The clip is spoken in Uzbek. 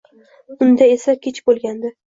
Unda esa kech bo’lgandi.